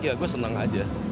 ya gue senang aja